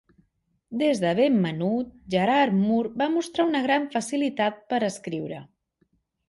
Des de ben menut, Gerard Mur va mostrar una gran facilitat per a escriure.